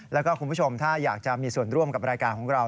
แล้วก็คุณผู้ชมถ้าอยากจะมีส่วนร่วมกับรายการของเรา